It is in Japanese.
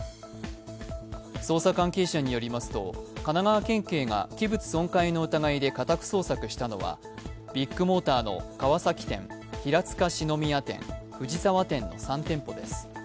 捜査関係者によりますと神奈川県警が器物損壊の疑いで家宅捜索したのはビッグモーターの川崎店平塚四之宮店、藤沢店の３店舗です。